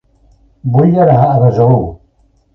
Vull anar a Besalú